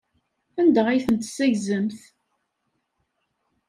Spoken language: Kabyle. Anda ay ten-tessaggzemt?